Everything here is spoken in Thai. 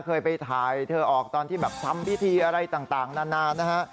เคยไปถ่ายเธอออกตอนที่แบบทำพิธีอะไรต่างนานนะฮะ